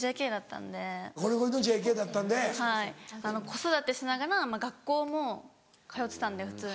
子育てしながら学校も通ってたんで普通に。